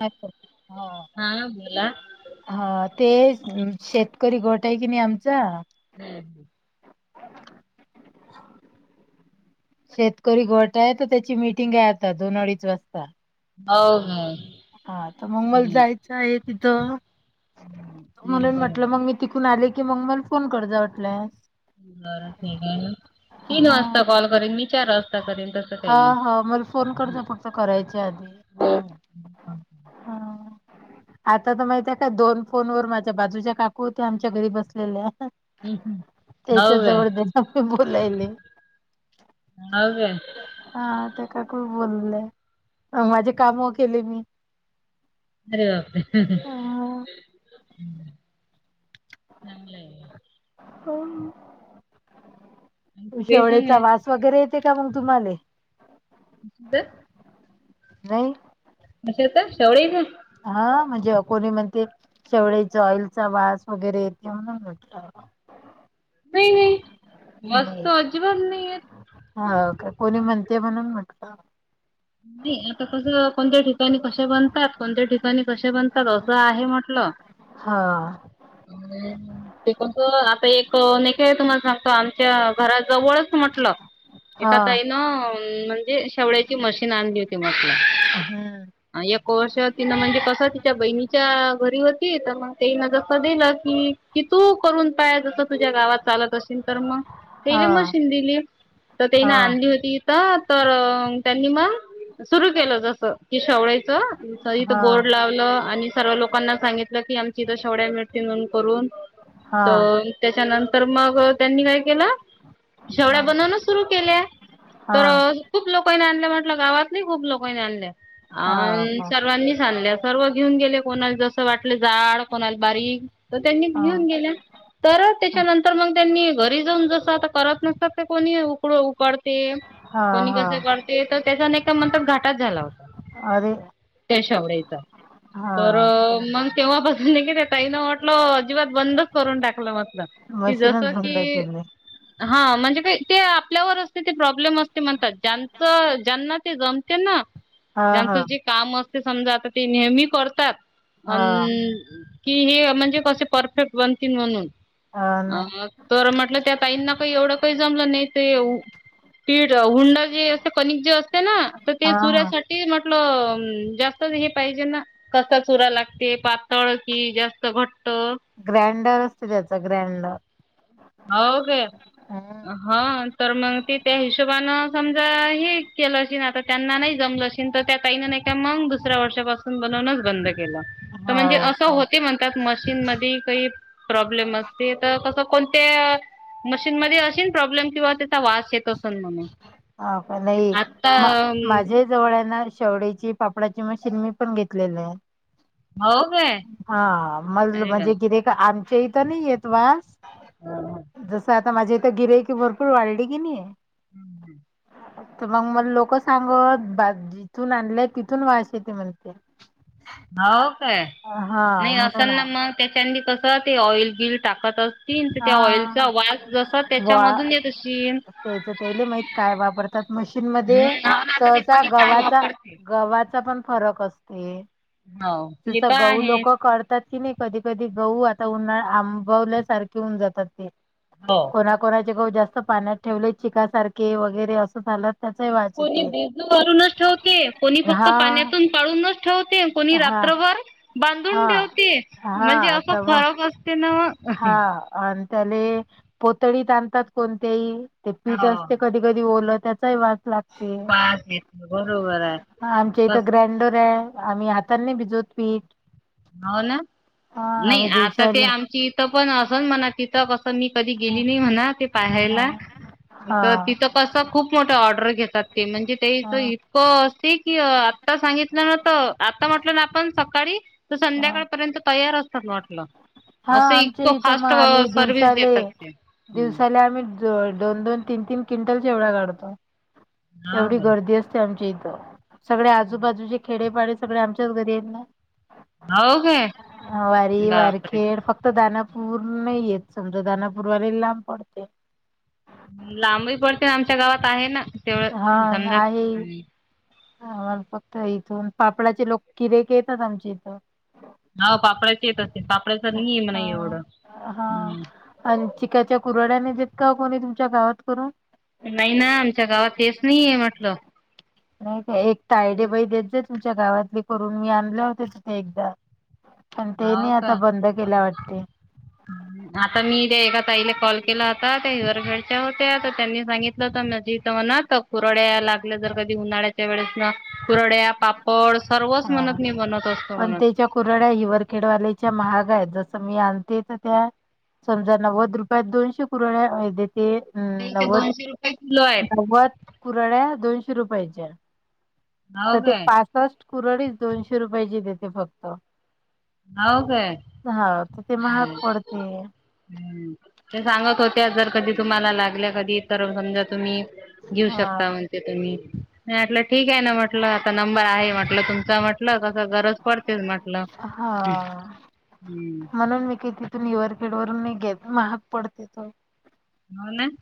अच्छा! हो. हा बोला. हा. ते शेतकरी गट आहे की नाही आमचा- हम्म. हम्म. शेतकरी गट आहे तर त्याची मिटिंग आहे आत्ता दोन अडीच वाजता. हो हो. हा. तर मग मला हम्म जायचं आहे तिथं. नाही म्हणून म्हटलं बरोबर मग मी- तिकून आले की मग मला फोन कर जा वाटल्यास. बर ठीक आहे ना, हा तीन वाजता कॉल करेन मी चार वाजता करेन तसं हा काही नाही हा, मला फोन करत फक्त, करायच्या आधी. हो हा. आता तर माहित आहे काय? दोन फोन वर माझ्या बाजूच्या काकू होत्या, आमच्या घरी बसलेल्या. हम्म हम्म. हो त्याच्या का जवळ दे [unintelligible] मी बोलायले. [unintelligible] [inaudible] हा, ते काकू बोलल्या, माझी काम केली मी. अरे बापरे! हा. [unintelligible] चांगलय. हो. आणखी काही शेवळेचा वास वगैरे येते का मग तुम्हाले? सांगा नाही कशाचं? शेवळेच? हा, म्हणजे कोणी म्हणते शेवळेचा ऑइलचा वास वगैरे, येते म्हणून नाही नाही वास नाही. तर अजिबात नाही येत हो का, कोणी म्हणते म्हणून म्हटलं. नाही, आता कसं, कोणत्या ठिकाणी कशे बनतात, कोणत्या ठिकाणी कसे बनतात, असं आहे म्हटलं. हा. हम् ते आता एक, ने का तुम्हाला सांगतो, आमच्या घरा जवळच म्हटलं हा एखका ताईन, म्हणजे शेवळ्याची मशीन आणली होती. म्हटलं. हम्. एक वर्ष, तिनं म्हणजे कस, तिच्या बहिणीच्या घरी होती, तर मग तेन जसं दिलं की कि तू करून पाया जस तुझ्या गावात चालत असेल तर मग, हा तेले मशीन दिली. तर हा तीने आणली होती, इथं, तर त्यांनी मग सुरु केलं जस की शेवळायच, इथं हा बोर्ड लावलं आणि सर्व लोकांना सांगितलं की, आमची इथ शेवढ्या मिळतील म्हणून करून हा तर त्याच्यानंतर, मग त्यांनी काय केलं हा शेवड्या बनवूनच सुरु केल्या, तर हा खूप लोकांनी आणल्या म्ह आपल्या गावातली खूप लोकांनी आणल्या, हा का सर्वांनीच आणल्या सर्व घेऊन गेले, कोणाला जसं वाटलं जाड, कोणाला बारीक, तर त्यांनी घेऊन हा गेल्या. तर त्याच्यानंतर मग, त्यांनी घरी जाऊन जसं, आता करत नसतात ते कोणी, उकड उकडते हा कोणी कस हा करते तर, त्याच्याने का म्हणतात घाटात झाला होता. अरे त्या शेवड्याचा, तर हा का? केव्हा बसून की, त्या ताई न म्हटलं अजिबात बंदच करून टाकलं म्हटलं. कि, मशीनच जसं बंद की केली हा, म्हणजे काय ते आपल्यावर असते ते, प्रॉब्लेम असते म्हणतात. ज्यांचं ज्यांना ते जमते ना, हा हा ज्यांचं जे काम असत समजा, आता ते नेहमी करतात अन, हा कि हे, म्हणजे कसे परफेक्ट बनतील म्हणून हा ना अ तर म्हटलं, त्या ताईंना काही एवढं काही जमलं नाही, ते ये पीठ, हुंडा जे अस कणिक जे असते ना, तर हा ते हा सर्यासाठी म्हटलं, जास्त हे पाहिजे ना कसा चुरा लागते, पातळ कि, जास्त घट्ट? ग्रँडर असते, त्याचा ग्रँडर. हो का? हम्म हा, तर मग ते त्या हिशोबानें समजा, हे केलं, अशी ना आता त्यांना नाही जमलं तर त्या ताईन एका मंग दुसऱ्या वर्षापासून बनवनच बंद केलं. तर म्हणजे हो असं का होते म्हणतात मशीन मध्ये काही प्रॉब्लेम असते तर तसं कोण ते मशीन मध्ये अशी प्रॉब्लेम किंवा त्याचा वास येतो. [unintelligible] आता जवळना शेवडीची पापडाची मशीन मी पण घेतलेले आहे. हो काय हा म अरे म्हणजे कर का आमच्या इथ नाही येत वास. जसं आता माझ्या इथं गिरायकी भरपूर वाढली की नाही [inaudible] तर मग मला लोक सांगत जिथून आणले तिथून वाश ते म्हणते हो काय हा नाही असल म्हणून ना आ- मग त्याच्या कसं ते ऑइल गिल टाकत अस तन त्या ऑइलचा हा वास जस वा त्याच्यामधून येतशी त्याच तेले माहित काय वापरतात मशीन हो मध्ये ना आता ते सहसा कोणी काय गव्हाचा वापरते गव्हाचा पण फरक असते हो ते जस तर गहू आहे लोक करतात की नाही. कधी कधी गहू आता उन्हाळा आंबवल्यासारखे होऊन जातात ते. हो कोणाकोणाचे गहू जास्त पाण्यात ठेवले चिका सारखे वगैरे असं झालं त्याचाही वास कोणी येते भीजु घालुनच ठेवते कोणी फक्त हा पाण्यातून काढूनच ठेवते. कोणी हा रात्रभर हा बांधून ठेवते म्हणजे हा असं तर मग फरक असते ना हा आणि त्याले पोतळीत आणतात कोणतेही ते पीठ हो असते कधी कधी कधी ओल त्याचाही वाज लागतो वास येते बरोबर आहे हां ते तर कस ग्रँडर आहे आम्ही तनी भिजलो पीठ हो ना हा नाही आम्ही आता ते दिवसाले आमची इथं पण असल म्हणा तिथं मी कधी हा गेली नाही म्हणा ते हा पाहायला तिथं हा कसं खूप मोठ्या ऑर्डर घेतात ते म्हणजे तेच इतकं अस कि आता सांगितलं ना तर आता म्हटलं ना आपण सकाळी तर हा संध्याकाळपर्यंत तयार असतात ना म्हटलं. हा असं आमच्या इतकं इथं मग फास्ट आम्ही सर्विस दिवसाले देतात ते. हो दिवसाले आम्ही दोन दोन तीन तीन क्विंटल चिवडा काढतो एवढी काय गर्दी असते. आमचे इथं सगळ्या आजूबाजूचे खेडेपाडे सगळे आमच्याच घरी येईल ना. होऊ काय ह वारी बापरे. वारखेड फक्त दानापूर नाही येत समजा दानापूरवाले लांब पडते. लांबही पडते आमच्या गावात आहे ना तेवढं समजा. ह मला फक्त इथून पापडाचे लोक किरक येतात आमच्या इथं. हो पापड्याची येत असते पापड्याच नाही म्हणा एवढं. हा हा आणि चिकाच्या कुरड्याने देत का कोणी तुमच्या गावात करून. नाही ना आमच्या गावात तेच नाहीये म्हटलं. नाही काय एक तायडे बाई देत जा तुमच्या गावातली करून मी आणले होते तिथे एकदा. पण तेनी आता बंद केल्या वाटते. हम्म आता मी त्या एका ताईला कॉल केला होता त्या हिर फेडच्या होत्याता त्यांनी सांगितलं होत मी इथं [unintelligible] कुरडया लागल्या जर कधी उन्हाळ्या त्या वेळेस ना कुरड्या पापड सर्वच म्हणत मी बनत असतो म्हणत. च्या कुरड्या हि ववरखेडवालेच्या महाग आहेत जसं मी आणते तर त्या. समजा नव्वद रुपयात दोनशे कुरडया अ देते अं, नाही ते दोनशे रुपये किलो आहेत. कुराड्या दोनशे रुपयाच्या. तर हो ते काय पासष्ट कुरडीस दोनशे रुपयाची देते फक्त हो काय हा ते महाग पडते. ते सांगत होत्या जर कधी तुम्हाला लागल्या कधी तर समजा तुम्ही घेऊ शकता हा म्हणते तुम्हीटलं ठीक आहेना म्हट म्हटलं आता नंबर आहे म्हटलं तुमचा म्हटलं कस गरज पडते म्हटलं. हा हम्म. म्हणून मी किती निवरखेड वरून नाही घेत महाग पडते थोडे होना [unintelligible]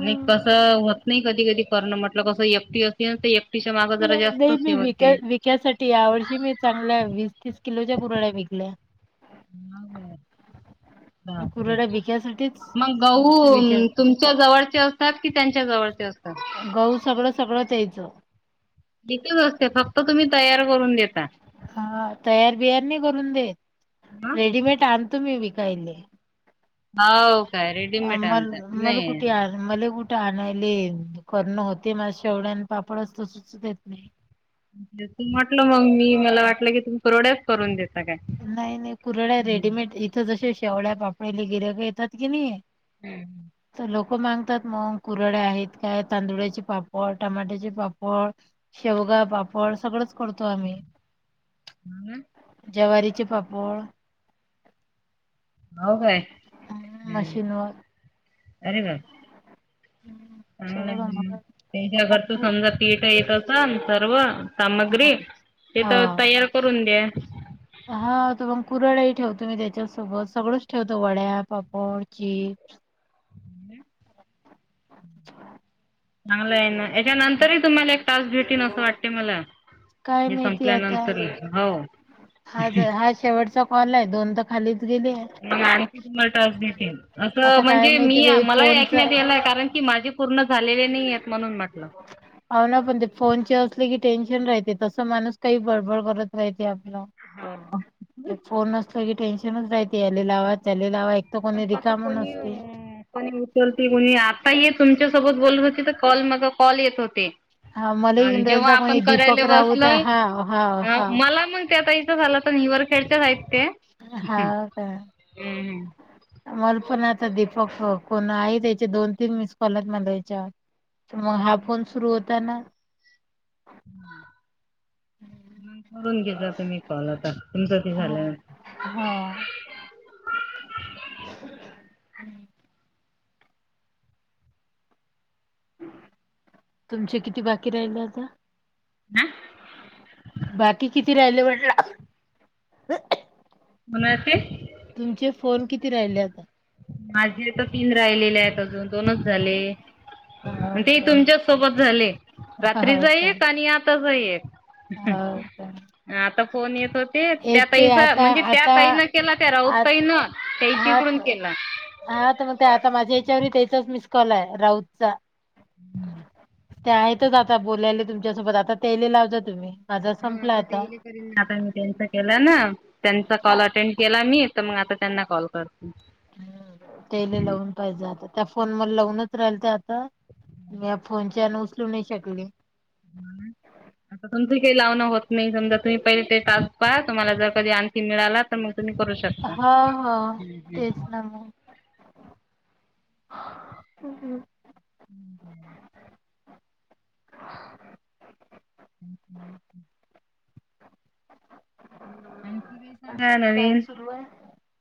नाही कसं होत नाही कधी, कधी करणं म्हटलं कस एकटी असतील तर एक तिच्या मागं जरा जास्तच हे होते. त्यासाठी यावर्षी मी चांगल्या वीस, तीस किलोच्या कुरड्या विकल्या. हाव काय बापरे कुरड्या विक्यासाठीच मग गहू श- विचार तुम तुमच्या जवळचे असतात कि त्यांच्या जवळचे असता? गहू सगळ, सगळ त्यायच. दिथेच असते फक्त तुम्ही तयार करून देता. हा तयार, बियार नाही करून देत रेडीमेड आणतो मी विकायले. हाव काय रेडीमेट मल आणता नाही. कुठे आण मला कुठे आणायले करणं होते मझ शेवढ्याने पापडच त सुच देत नाही. ज म्हटलं मग मी मला वाटलं की तुम्ही कुरड्याच करून देत नाही, नाही कुरड्या रेडीमेड इथं जसे शेवळ्या पापडले गिराइक येतात की नाही. हम्म. तर लोक मागतात मग कुरड्या आहेत काय, तांदुळाचे पापड, टमाट्याचे पापड शेवगा पापड सगळंच करतो आम्ही. हम्म. जवारीचे पापड हाव काय हम्म. मशीनवर अरे बापरे चांगल आहेना मग. त्यांच्या घर त समजा तिथ येत असन सर्व? हा सामग्री ते तर हा तयार करून द्या. हा त मग कुरड्या ही ठेवतो मी त्याच्यासोबत सगळंच ठेवतो वड्या, पापड, चीज अच्छा [inaudible] चांगलं आहे ना याच्यानंतरही तुम्हाला एक टास्क भेटिन असं वाटते मला. काय हे माहिती आता संपल्यानंतरही हो हा शेवटचा कॉल दोन तर खालीच गेले आहे. म आणखी तुम्हाला टास्क देतीले असं आता काय म्हणजे माहिती मी बाई मला फोनच ऐकण्यात यायला आहे कारण की माझे पूर्ण झालेले नाही आहेत म्हणून म्हटलं. अ ना पण ते फोनचे असले की टेन्शन राहते तस माणूस काही बडबड करत आपला फोन असतो की टेन्शनच राहते आलेलावा त्यालेलावा तर पण कोणी कसं रिकाम कोणी नसते. उचलते कोणी आता ये तुमच्यासोबत बोलत होते तर कॉल मगा कॉल येत होते. हा मला आणि येऊन जेव्हा राहिलता कोणी आपण करायला दीपक बसल राऊचा हा हा हा मला मग त्या ताई झालं तर न निरवर खेडच्या हांव कायं हम्मं हम्मं मला पणं आंता दीपक कोणं आहेत यांच्या दोन तीनं मिस कॉलांत मलां यांच्यावर तरं मंग हां फोन सुरूं होतां नां करूंन घेतता तुम्हीं कॉल आंता तुमचं तं झालंय नां हां तुमचे किती बाकी राहिलं आंता हा बाकी किती राहिले म्हंटला कोणांचे तुमचे कॉल किती राहिले आंता माझे तरं तीनं राहिलेले आहेतं अजूंन दोनचं झाले हाव ते काय तुमच्यां सोबतंच झाले हाव रात्रीचा काय एक आणि आंता च्यां एक हाव काय आंता फोन येतो ते त्यां एक ते ताईचं आता म्हणजे त्यां आता ताईन केलां त्यां राऊत ताईनं त्याच्या हां इकडून केला. हां तरं मंग ते आंता माझ्यां यांच्यावर त्यांचाच मिस कॉल आहे राऊतचां हम्मं त्यां आहेतचं आंता बोलायले तुमच्यांसोबत आंता त्यांनले लावजां आंता तुम्हीं हां आंता ते इले करीन आंता मी त्यांचा केलां नां त्यांचा कॉल अटेंड केलां मी तरं मंग आंता त्यांना कॉल करते हं त्यांले लावूंन पाहिजे आंता त्यां फोन मले लावूंनच राहिल त्यां मी यां फोनच्यांन उचलूं नाहीं शकली आंता तुमची कांहीं लावणं होतं नाहीं समजा तुम्हीं पहिले ते टांस लाऊन पहां तुम्हांला जरं कधीं आणखी मिळालां तरं मंग तुम्हीं करूं शकतां हा हम्मं हम्मं हम् हम् [unintelligible] ह [unintelligible] काय अजूंन कायं नवीन सुरूं आहेतं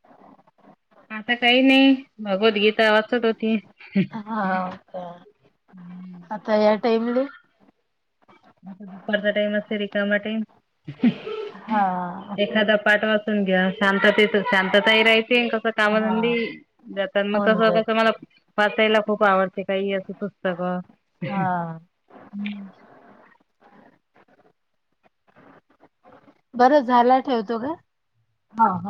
आंता कांहीं नाहीं भगवद्गीता वांचत होती अं आंता यां टाईमले दुपारच्या टाईम असे रिकाम्या टाईम हा एखाद्या पांठ वाचते तूम्ही घ्यां शांत शांतता ही राहायते कसं कामधंदी हा जातं मंग होऊन तसं जाईल कसं मंला वाचांयला खूंप आवडते कांहीं येतं नसतां बां हा बरं झांला ठेवतो गं हांव हांव